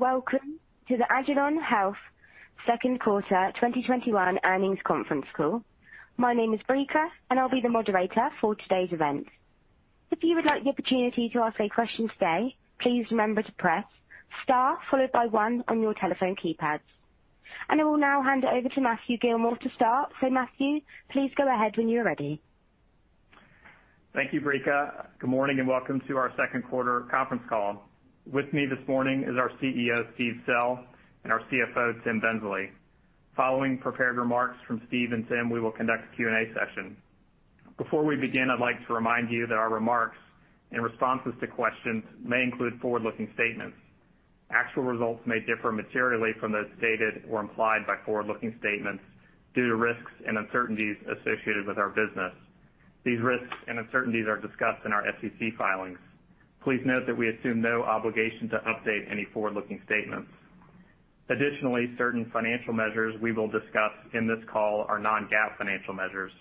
Welcome to the agilon health second quarter 2021 earnings conference call. My name is Breaka, and I'll be the moderator for today's event. If you would like the opportunity to ask a question today, please remember to press Star followed by one on your telephone keypads. I will now hand it over to Matthew Gilmore to start. Matthew, please go ahead when you are ready. Thank you, Breaka. Good morning and welcome to our second quarter conference call. With me this morning is our CEO, Steve Sell, and our CFO, Tim Bensley. Following prepared remarks from Steve and Tim, we will conduct a Q&A session. Before we begin, I'd like to remind you that our remarks and responses to questions may include forward-looking statements. Actual results may differ materially from those stated or implied by forward-looking statements due to risks and uncertainties associated with our business. These risks and uncertainties are discussed in our SEC filings. Please note that we assume no obligation to update any forward-looking statements. Additionally, certain financial measures we will discuss in this call are non-GAAP financial measures.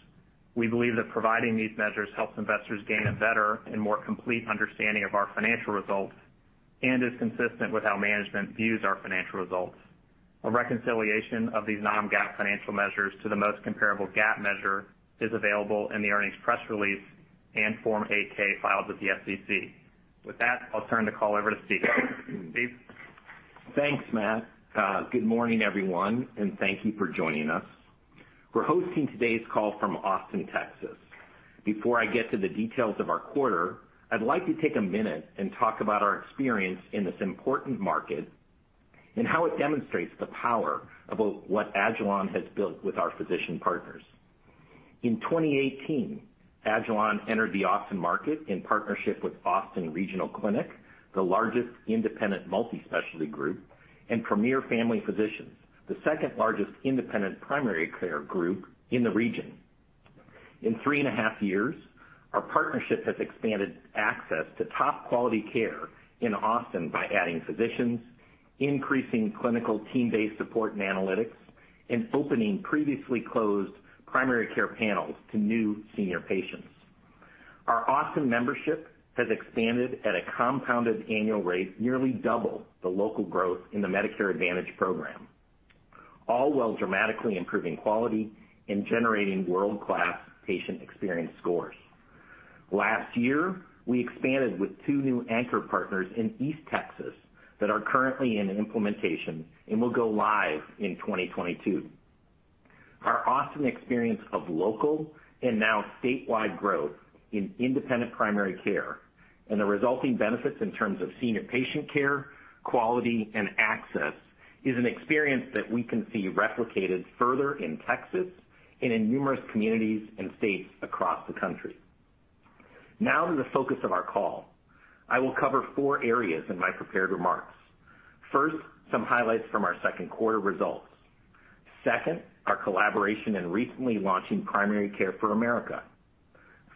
We believe that providing these measures helps investors gain a better and more complete understanding of our financial results and is consistent with how management views our financial results. A reconciliation of these non-GAAP financial measures to the most comparable GAAP measure is available in the earnings press release and Form 8-K filed with the SEC. With that, I'll turn the call over to Steve. Steve? Thanks, Matt. Good morning, everyone, and thank you for joining us. We're hosting today's call from Austin, Texas. Before I get to the details of our quarter, I'd like to take a minute and talk about our experience in this important market and how it demonstrates the power about what agilon has built with our physician partners. In 2018, agilon entered the Austin market in partnership with Austin Regional Clinic, the largest independent multi-specialty group, and Premier Family Physicians, the second-largest independent primary care group in the region. In three and a half years, our partnership has expanded access to top-quality care in Austin by adding physicians, increasing clinical team-based support and analytics, and opening previously closed primary care panels to new senior patients. Our Austin membership has expanded at a compounded annual rate nearly double the local growth in the Medicare Advantage program, all while dramatically improving quality and generating world-class patient experience scores. Last year, we expanded with two new anchor partners in East Texas that are currently in implementation and will go live in 2022. Our Austin experience of local and now statewide growth in independent primary care and the resulting benefits in terms of senior patient care, quality, and access is an experience that we can see replicated further in Texas and in numerous communities and states across the country. Now to the focus of our call. I will cover four areas in my prepared remarks. First, some highlights from our second quarter results. Second, our collaboration in recently launching Primary Care for America.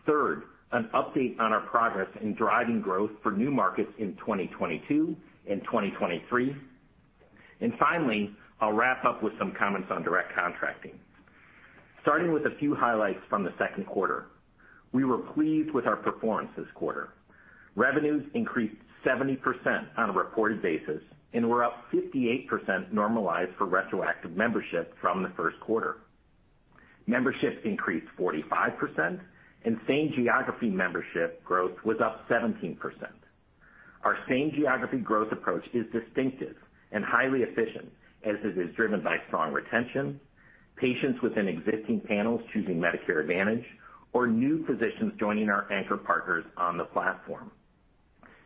Third, an update on our progress in driving growth for new markets in 2022 and 2023. Finally, I'll wrap up with some comments on direct contracting. Starting with a few highlights from the second quarter. We were pleased with our performance this quarter. Revenues increased 70% on a reported basis and were up 58% normalized for retroactive membership from the first quarter. Memberships increased 45%, and same geography membership growth was up 17%. Our same geography growth approach is distinctive and highly efficient as it is driven by strong retention, patients within existing panels choosing Medicare Advantage, or new physicians joining our anchor partners on the platform.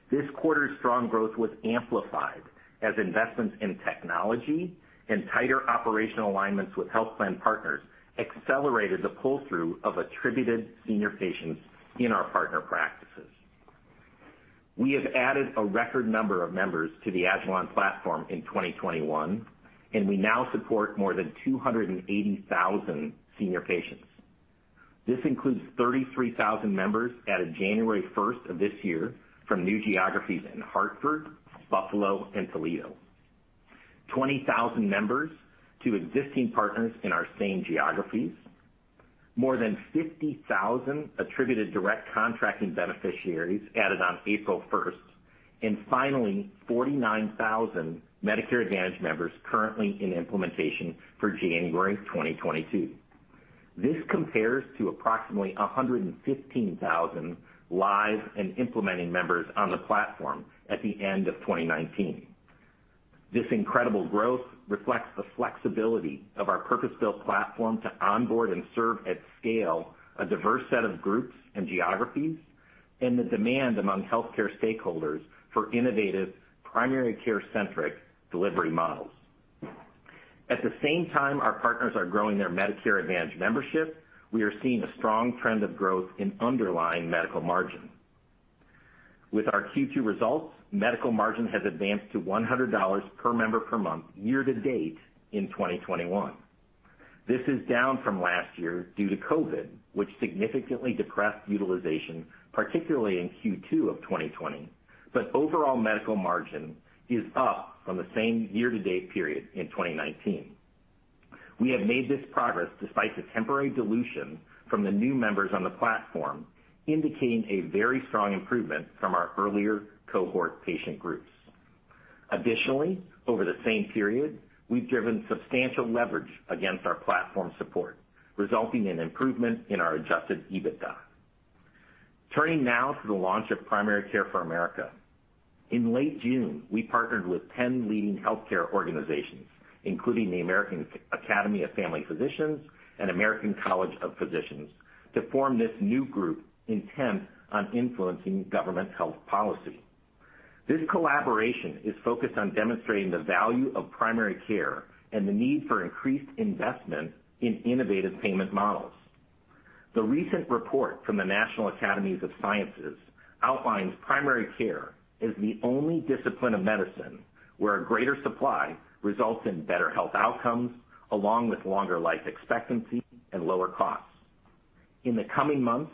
This quarter's strong growth was amplified as investments in technology and tighter operational alignments with health plan partners accelerated the pull-through of attributed senior patients in our partner practices. We have added a record number of members to the agilon platform in 2021, and we now support more than 280,000 senior patients. This includes 33,000 members added January 1st of this year from new geographies in Hartford, Buffalo, and Toledo. 20,000 members to existing partners in our same geographies. More than 50,000 attributed direct contracting beneficiaries added on April 1st, and finally, 49,000 Medicare Advantage members currently in implementation for January 2022. This compares to approximately 115,000 live and implementing members on the platform at the end of 2019. This incredible growth reflects the flexibility of our purpose-built platform to onboard and serve at scale a diverse set of groups and geographies, and the demand among healthcare stakeholders for innovative, primary care-centric delivery models. At the same time our partners are growing their Medicare Advantage membership, we are seeing a strong trend of growth in underlying medical margin. With our Q2 results, medical margin has advanced to $100 per member per month year to date in 2021. This is down from last year due to COVID, which significantly depressed utilization, particularly in Q2 of 2020, but overall medical margin is up from the same year-to-date period in 2019. We have made this progress despite the temporary dilution from the new members on the platform, indicating a very strong improvement from our earlier cohort patient groups. Additionally, over the same period, we've driven substantial leverage against our platform support, resulting in improvement in our adjusted EBITDA. Turning now to the launch of Primary Care for America. In late June, we partnered with 10 leading healthcare organizations, including the American Academy of Family Physicians and American College of Physicians, to form this new group intent on influencing government health policy. This collaboration is focused on demonstrating the value of primary care and the need for increased investment in innovative payment models. The recent report from the National Academies of Sciences outlines primary care as the only discipline of medicine where a greater supply results in better health outcomes, along with longer life expectancy and lower costs. In the coming months,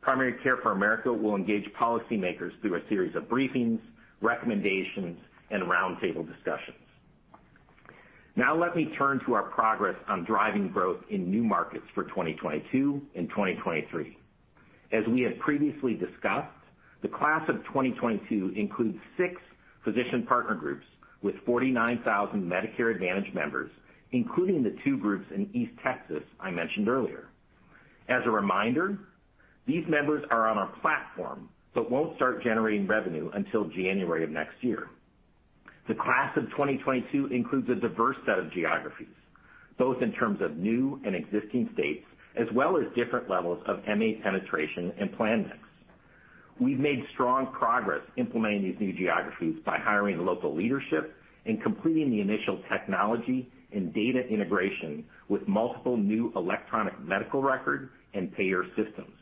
Primary Care for America will engage policymakers through a series of briefings, recommendations, and roundtable discussions. Now let me turn to our progress on driving growth in new markets for 2022 and 2023. As we have previously discussed, the class of 2022 includes six physician partner groups with 49,000 Medicare Advantage members, including the two groups in East Texas I mentioned earlier. As a reminder, these members are on our platform but won't start generating revenue until January of next year. The class of 2022 includes a diverse set of geographies, both in terms of new and existing states, as well as different levels of MA penetration and plan mix. We've made strong progress implementing these new geographies by hiring local leadership and completing the initial technology and data integration with multiple new electronic medical record and payer systems.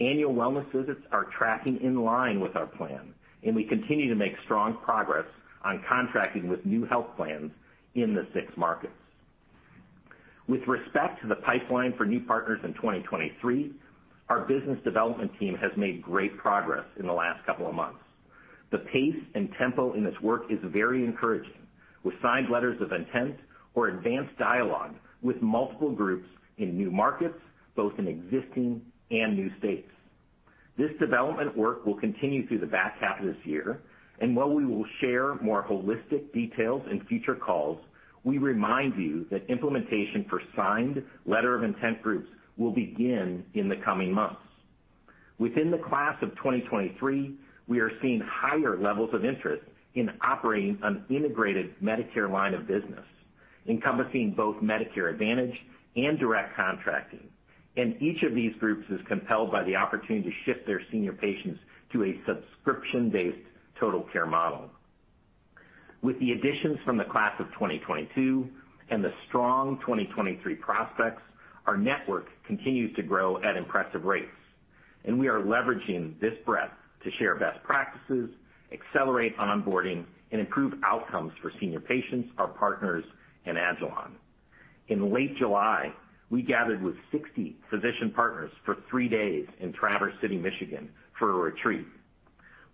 Annual wellness visits are tracking in line with our plan, and we continue to make strong progress on contracting with new health plans in the six markets. With respect to the pipeline for new partners in 2023, our business development team has made great progress in the last couple of months. The pace and tempo in this work is very encouraging, with signed letters of intent or advanced dialogue with multiple groups in new markets, both in existing and new states. This development work will continue through the back half of this year, and while we will share more holistic details in future calls, we remind you that implementation for signed letter of intent groups will begin in the coming months. Within the class of 2023, we are seeing higher levels of interest in operating an integrated Medicare line of business, encompassing both Medicare Advantage and direct contracting, and each of these groups is compelled by the opportunity to shift their senior patients to a subscription-based total care model. With the additions from the class of 2022 and the strong 2023 prospects, our network continues to grow at impressive rates, and we are leveraging this breadth to share best practices, accelerate onboarding, and improve outcomes for senior patients, our partners, and agilon. In late July, we gathered with 60 physician partners for three days in Traverse City, Michigan, for a retreat.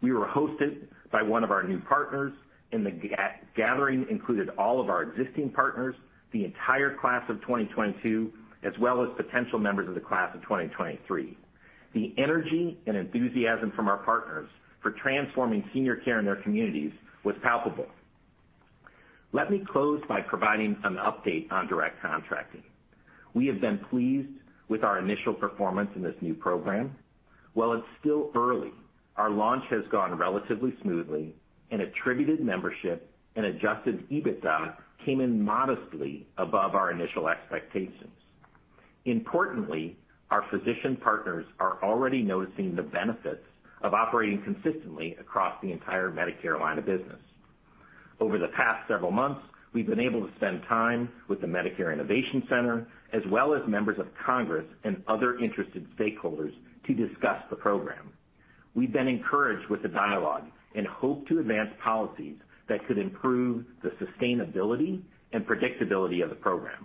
We were hosted by one of our new partners, and the gathering included all of our existing partners, the entire class of 2022, as well as potential members of the class of 2023. The energy and enthusiasm from our partners for transforming senior care in their communities was palpable. Let me close by providing an update on direct contracting. We have been pleased with our initial performance in this new program. While it's still early, our launch has gone relatively smoothly, and attributed membership and adjusted EBITDA came in modestly above our initial expectations. Importantly, our physician partners are already noticing the benefits of operating consistently across the entire Medicare line of business. Over the past several months, we've been able to spend time with the Medicare Innovation Center, as well as members of Congress and other interested stakeholders to discuss the program. We've been encouraged with the dialogue and hope to advance policies that could improve the sustainability and predictability of the program.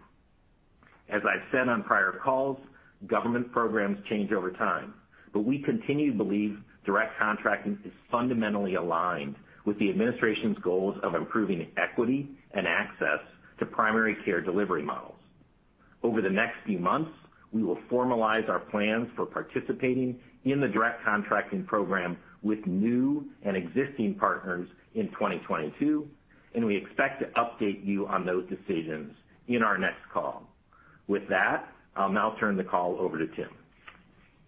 As I've said on prior calls, government programs change over time, but we continue to believe direct contracting is fundamentally aligned with the administration's goals of improving equity and access to primary care delivery models. Over the next few months, we will formalize our plans for participating in the direct contracting program with new and existing partners in 2022, and we expect to update you on those decisions in our next call. With that, I'll now turn the call over to Tim.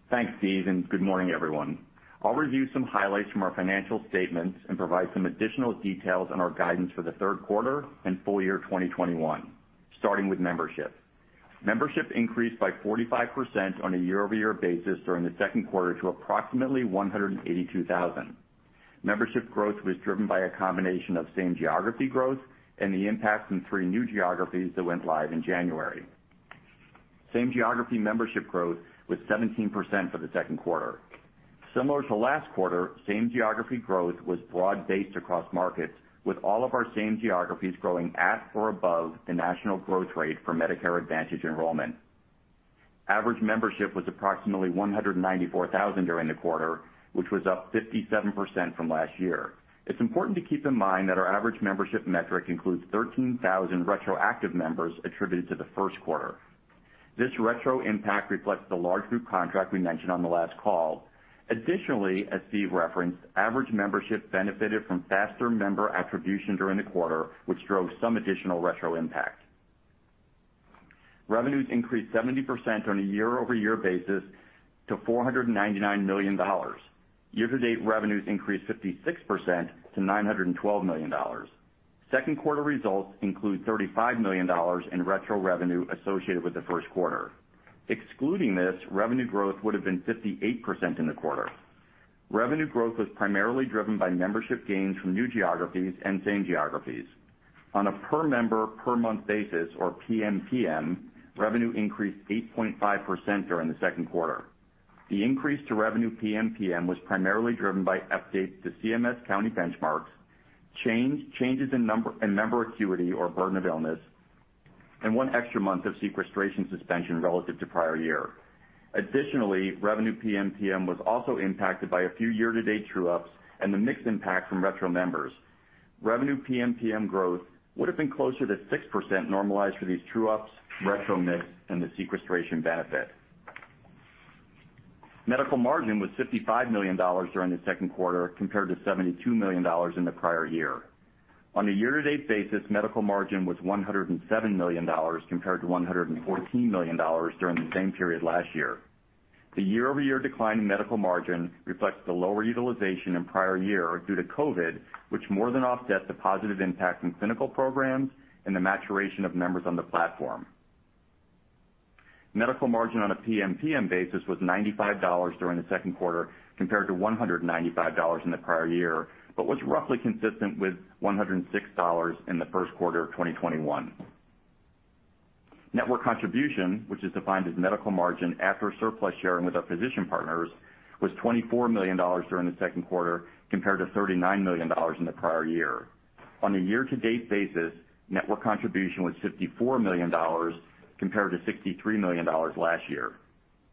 Thanks, Steve, and good morning, everyone. I'll review some highlights from our financial statements and provide some additional details on our guidance for the third quarter and full year 2021, starting with membership. Membership increased by 45% on a year-over-year basis during the second quarter to approximately 182,000. Membership growth was driven by a combination of same geography growth and the impact from three new geographies that went live in January. Same geography membership growth was 17% for the second quarter. Similar to last quarter, same geography growth was broad-based across markets, with all of our same geographies growing at or above the national growth rate for Medicare Advantage enrollment. Average membership was approximately 194,000 during the quarter, which was up 57% from last year. It's important to keep in mind that our average membership metric includes 13,000 retroactive members attributed to the first quarter. This retro impact reflects the large group contract we mentioned on the last call. Additionally, as Steve referenced, average membership benefited from faster member attribution during the quarter, which drove some additional retro impact. Revenues increased 70% on a year-over-year basis to $499 million. Year-to-date revenues increased 56% to $912 million. Second quarter results include $35 million in retro revenue associated with the first quarter. Excluding this, revenue growth would've been 58% in the quarter. Revenue growth was primarily driven by membership gains from new geographies and same geographies. On a per member per month basis, or PMPM, revenue increased 8.5% during the second quarter. The increase to revenue PMPM was primarily driven by updates to CMS county benchmarks, changes in member acuity or burden of illness, and one extra month of sequestration suspension relative to prior year. Additionally, revenue PMPM was also impacted by a few year-to-date true-ups and the mix impact from retro members. Revenue PMPM growth would've been closer to 6% normalized for these true-ups, retro mix, and the sequestration benefit. Medical margin was $55 million during the second quarter, compared to $72 million in the prior year. On a year-to-date basis, medical margin was $107 million compared to $114 million during the same period last year. The year-over-year decline in medical margin reflects the lower utilization in prior year due to COVID, which more than offsets the positive impact in clinical programs and the maturation of members on the platform. Medical margin on a PMPM basis was $95 during the second quarter, compared to $195 in the prior year, but was roughly consistent with $106 in the first quarter of 2021. Network contribution, which is defined as medical margin after surplus sharing with our physician partners, was $24 million during the second quarter, compared to $39 million in the prior year. On a year-to-date basis, network contribution was $54 million compared to $63 million last year.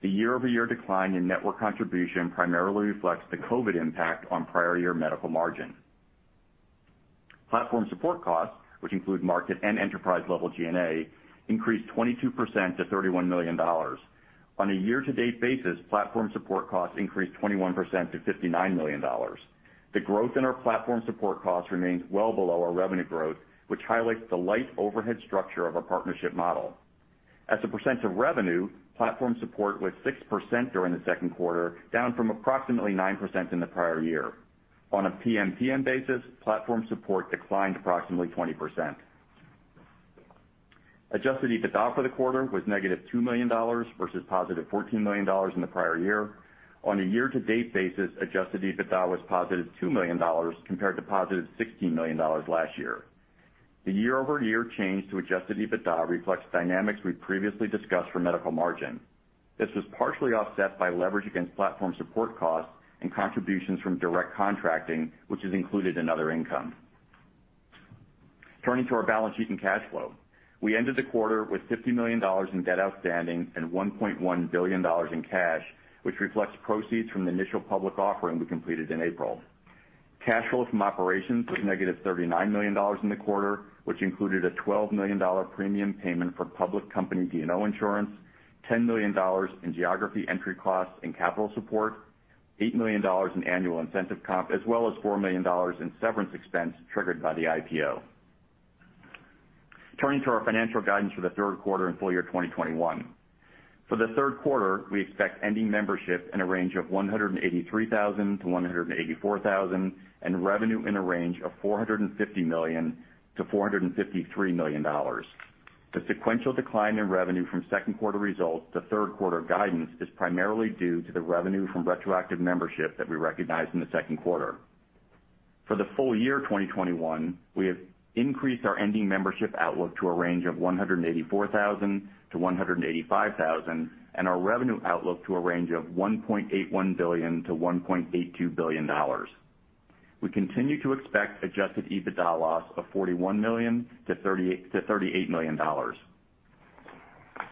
The year-over-year decline in network contribution primarily reflects the COVID impact on prior year medical margin. Platform support costs, which include market and enterprise-level G&A, increased 22% to $31 million. On a year-to-date basis, platform support costs increased 21% to $59 million. The growth in our platform support costs remains well below our revenue growth, which highlights the light overhead structure of our partnership model. As a percent of revenue, platform support was 6% during the second quarter, down from approximately 9% in the prior year. On a PMPM basis, platform support declined approximately 20%. Adjusted EBITDA for the quarter was negative $2 million versus positive $14 million in the prior year. On a year to date basis, adjusted EBITDA was positive $2 million, compared to positive $16 million last year. The year-over-year change to adjusted EBITDA reflects dynamics we previously discussed for medical margin. This was partially offset by leverage against platform support costs and contributions from direct contracting, which is included in other income. Turning to our balance sheet and cash flow. We ended the quarter with $50 million in debt outstanding and $1.1 billion in cash, which reflects proceeds from the initial public offering we completed in April. Cash flow from operations was negative $39 million in the quarter, which included a $12 million premium payment for public company D&O insurance, $10 million in geography entry costs and capital support, $8 million in annual incentive comp, as well as $4 million in severance expense triggered by the IPO. Turning to our financial guidance for the third quarter and full year 2021. For the third quarter, we expect ending membership in a range of 183,000-184,000, and revenue in a range of $450 million-$453 million. The sequential decline in revenue from second quarter results to third quarter guidance is primarily due to the revenue from retroactive membership that we recognized in the second quarter. For the full year 2021, we have increased our ending membership outlook to a range of 184,000-185,000, and our revenue outlook to a range of $1.81 billion-$1.82 billion. We continue to expect adjusted EBITDA loss of $41 million-$38 million.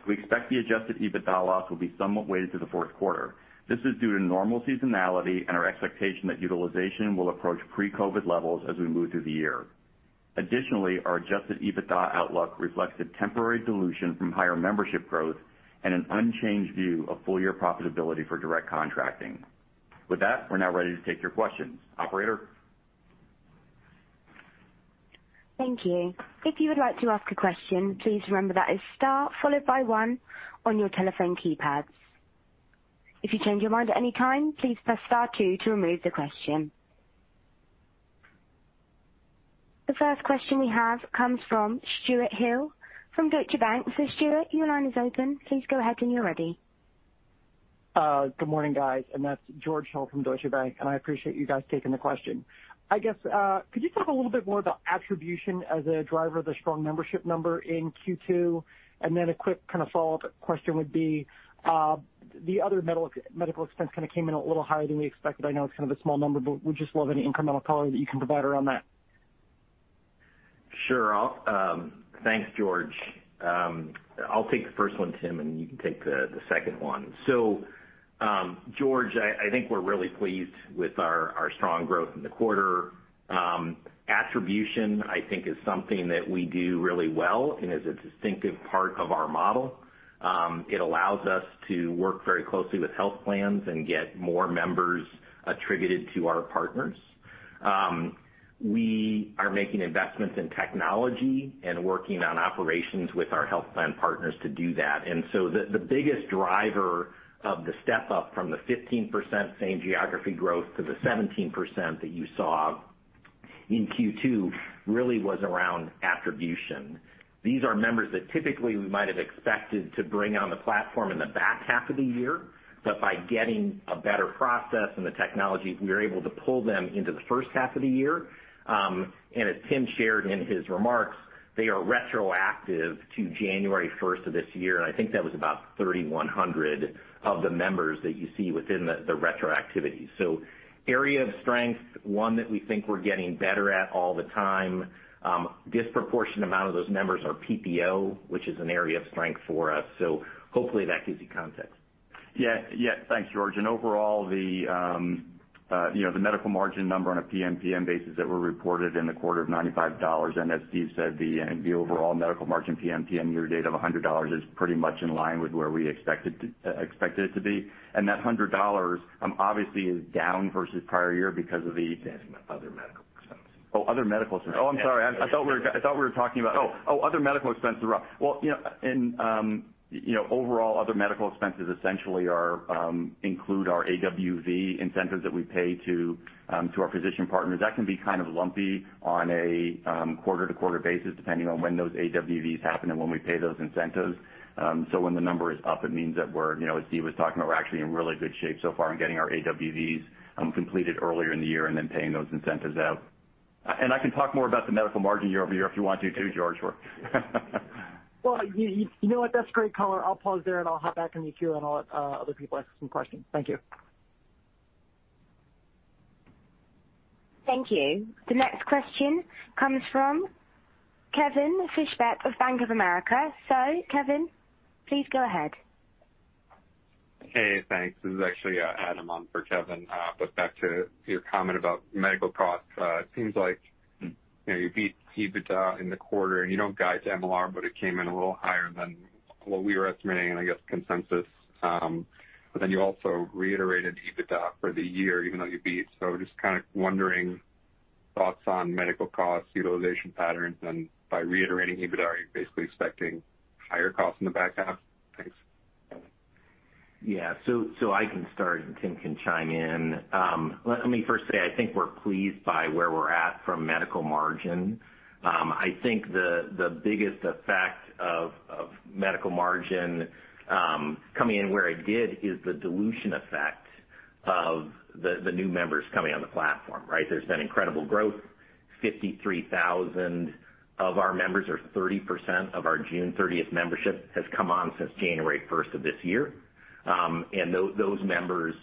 We expect the adjusted EBITDA loss will be somewhat weighted to the fourth quarter. This is due to normal seasonality and our expectation that utilization will approach pre-COVID levels as we move through the year. Additionally, our adjusted EBITDA outlook reflects a temporary dilution from higher membership growth and an unchanged view of full year profitability for direct contracting. With that, we're now ready to take your questions. Operator? Thank you. If you would like to ask a question, please remember that is star followed by one on your telephone keypads. If you change your mind at any time, please press star two to remove the question. The first question we have comes from George Hill from Deutsche Bank. George, your line is open. Please go ahead when you're ready. Good morning, guys, and that's George Hill from Deutsche Bank, and I appreciate you guys taking the question. I guess, could you talk a little bit more about attribution as a driver of the strong membership number in Q2? A quick kind of follow-up question would be, the other medical expense kind of came in a little higher than we expected. I know it's kind of a small number, but would just love any incremental color that you can provide around that. Sure. Thanks, George. I'll take the first one, Tim, and you can take the second one. George, I think we're really pleased with our strong growth in the quarter. Attribution, I think, is something that we do really well and is a distinctive part of our model. It allows us to work very closely with health plans and get more members attributed to our partners. We are making investments in technology and working on operations with our health plan partners to do that. The biggest driver of the step-up from the 15% same geography growth to the 17% that you saw in Q2 really was around attribution. These are members that typically we might have expected to bring on the platform in the back half of the year. by getting a better process and the technology, we were able to pull them into the first half of the year. as Tim shared in his remarks, they are retroactive to January 1st of this year, and I think that was about 3,100 of the members that you see within the retroactivity. area of strength, one that we think we're getting better at all the time. Disproportionate amount of those members are PPO, which is an area of strength for us. hopefully that gives you context. Yeah. Thanks, George, overall, the medical margin number on a PMPM basis that were reported in the quarter of $95, and as Steve said, the overall medical margin PMPM year to date of $100 is pretty much in line with where we expected it to be. that $100 obviously is down versus prior year because of the- Other medical expense. Well, overall, other medical expenses essentially include our AWV incentives that we pay to our physician partners. That can be kind of lumpy on a quarter-to-quarter basis, depending on when those AWVs happen and when we pay those incentives. when the number is up, it means that we're, as Steve was talking about, we're actually in really good shape so far in getting our AWVs completed earlier in the year and then paying those incentives out. I can talk more about the medical margin year-over-year if you want to too, George. Well, you know what, that's great color. I'll pause there, and I'll hop back in the queue, and I'll let other people ask some questions. Thank you. Thank you. The next question comes from Kevin Fischbeck of Bank of America. Kevin, please go ahead. Hey, thanks. This is actually Adam on for Kevin. Back to your comment about medical costs. It seems like, you beat EBITDA in the quarter, and you don't guide to MLR, but it came in a little higher than what we were estimating and I guess consensus. You also reiterated EBITDA for the year even though you beat. Just kind of wondering, thoughts on medical costs, utilization patterns, and by reiterating EBITDA, are you basically expecting higher costs in the back half? Thanks. Yeah. I can start, and Tim can chime in. Let me first say, I think we're pleased by where we're at from medical margin. I think the biggest effect of medical margin coming in where it did is the dilution effect of the new members coming on the platform, right? There's been incredible growth, 53,000 of our members, or 30% of our June 30th membership, has come on since January 1st of this year. Those members,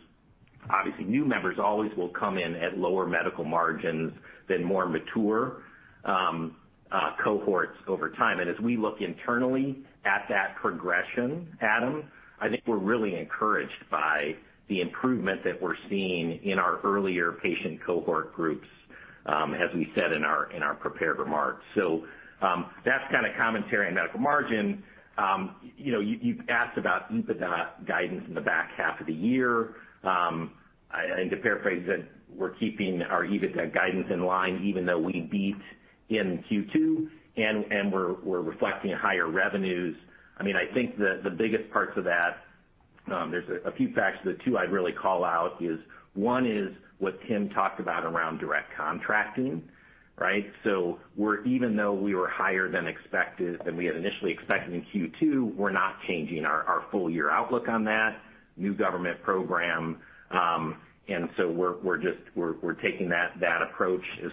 obviously, new members always will come in at lower medical margins than more mature cohorts over time. As we look internally at that progression, Adam, I think we're really encouraged by the improvement that we're seeing in our earlier patient cohort groups, as we said in our prepared remarks. That's kind of commentary on medical margin. You asked about EBITDA guidance in the back half of the year. I think to paraphrase that, we're keeping our EBITDA guidance in line even though we beat in Q2, and we're reflecting higher revenues. I think the biggest parts of that, there's a few factors. The two I'd really call out is, one is what Tim talked about around direct contracting, right? Even though we were higher than expected, than we had initially expected in Q2, we're not changing our full-year outlook on that new government program. We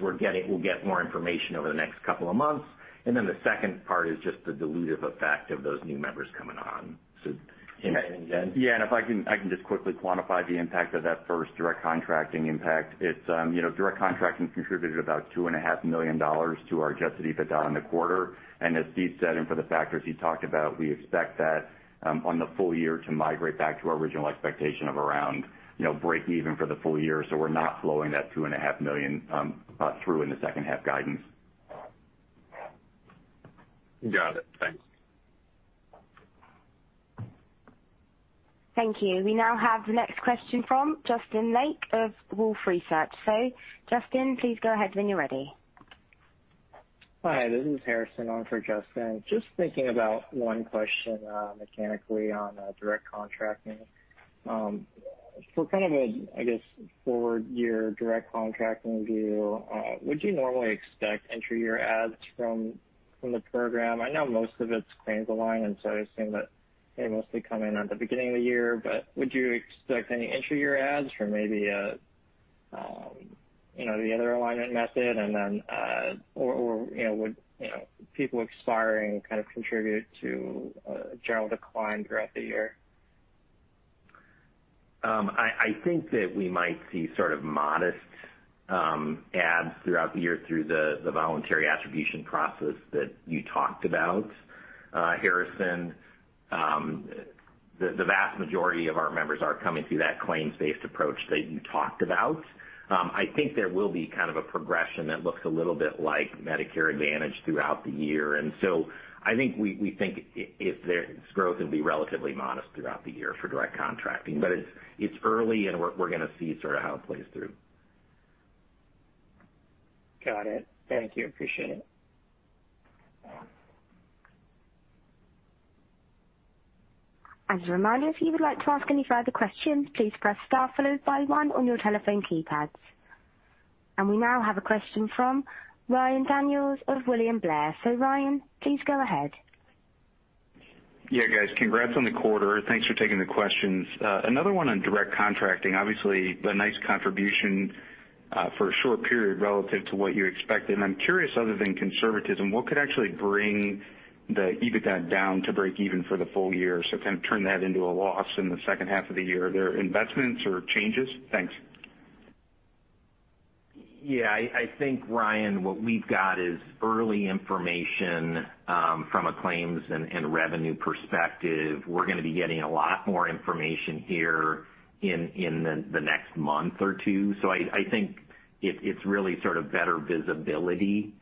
are getting more information in the next couple of months. The second part is just the dilutive effect of those new members coming on. Tim, anything to add? Yeah, if I can just quickly quantify the impact of that first direct contracting impact. Direct contracting contributed about $2.5 million to our adjusted EBITDA in the quarter. As Steve said, and for the factors he talked about, we expect that on the full year to migrate back to our original expectation of around breakeven for the full year. We're not flowing that $2.5 million through in the second half guidance. Got it. Thanks. Thank you. We now have the next question from Justin Lake of Wolfe Research. Justin, please go ahead when you're ready. Hi, this is Harrison on for Justin. Just thinking about one question mechanically on direct contracting. For kind of a, I guess, forward year direct contracting view, would you normally expect entry-year adds from the program? I know most of it's claims alignment, so I assume that they mostly come in at the beginning of the year. would you expect any entry-year adds from maybe the other alignment method? would people expiring kind of contribute to a general decline throughout the year? I think that we might see modest adds throughout the year through the voluntary attribution process that you talked about, Harrison. The vast majority of our members are coming through that claims-based approach that you talked about. I think there will be a progression that looks a little bit like Medicare Advantage throughout the year. I think we think its growth will be relatively modest throughout the year for direct contracting. It's early, and we're going to see sort of how it plays through. Got it. Thank you. Appreciate it. As a reminder, if you would like to ask any further questions, please press star followed by one on your telephone keypads. We now have a question from Ryan Daniels of William Blair. Ryan, please go ahead. Yeah, guys. Congrats on the quarter. Thanks for taking the questions. Another one on direct contracting. Obviously, a nice contribution for a short period relative to what you expected. I'm curious, other than conservatism, what could actually bring the EBITDA down to breakeven for the full year? Kind of turn that into a loss in the second half of the year. Are there investments or changes? Thanks. Yeah. I think, Ryan, what we've got is early information from a claims and revenue perspective. We're going to be getting a lot more information here in the next month or two. I think it's really sort of better visibility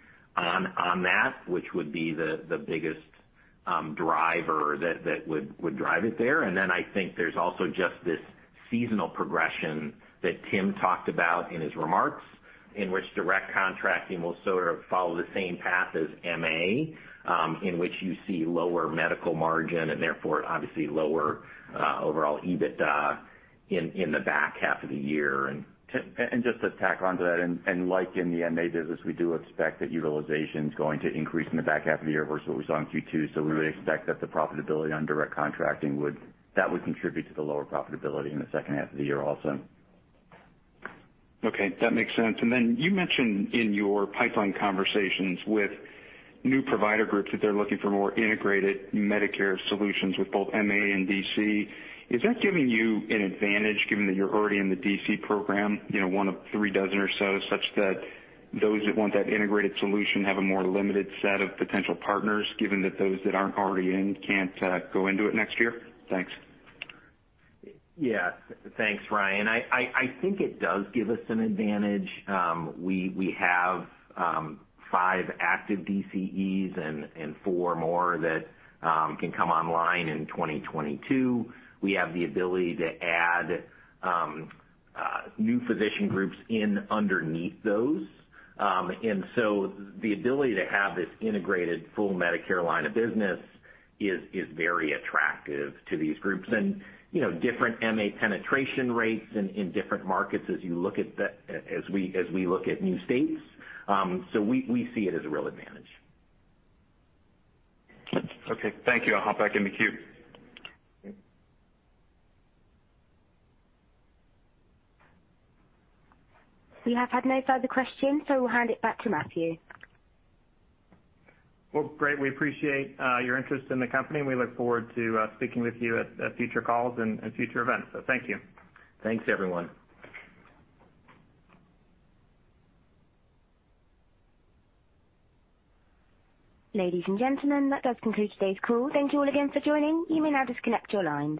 on that, which would be the biggest driver that would drive it there. I think there's also just this seasonal progression that Tim talked about in his remarks, in which direct contracting will sort of follow the same path as MA, in which you see lower medical margin and therefore obviously lower overall EBITDA in the back half of the year and- just to tack onto that, and like in the MA business, we do expect that utilization's going to increase in the back half of the year versus what we saw in Q2. we would expect that the profitability on direct contracting, that would contribute to the lower profitability in the second half of the year also. Okay. That makes sense. You mentioned in your pipeline conversations with new provider groups that they're looking for more integrated Medicare solutions with both MA and DC. Is that giving you an advantage given that you're already in the DC program, one of three dozen or so, such that those that want that integrated solution have a more limited set of potential partners, given that those that aren't already in can't go into it next year? Thanks. Yeah. Thanks, Ryan. I think it does give us an advantage. We have five active DCEs and four more that can come online in 2022. We have the ability to add new physician groups in underneath those. The ability to have this integrated full Medicare line of business is very attractive to these groups. Different MA penetration rates in different markets as we look at new states. We see it as a real advantage. Okay. Thank you. I'll hop back in the queue. We have had no further questions, so we'll hand it back to Matthew. Well, great. We appreciate your interest in the company, and we look forward to speaking with you at future calls and future events. Thank you. Thanks, everyone. Ladies and gentlemen, that does conclude today's call. Thank you all again for joining. You may now disconnect your lines.